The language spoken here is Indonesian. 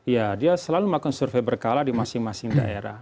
ya dia selalu melakukan survei berkala di masing masing daerah